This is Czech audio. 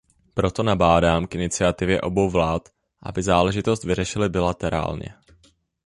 Proto nabádám k iniciativě obou vlád, aby záležitost vyřešily bilaterálně.